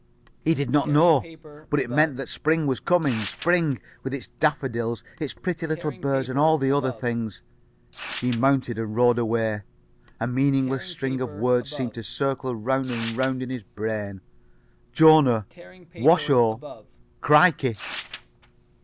He did not know. But it meant that spring was coming. Spring, with its daffodils, its pretty little birds and all the other things. [Pg 66]He mounted and rode away. A meaningless string of words seemed to circle round and round in his brain. "Jona. Washo. Crikey."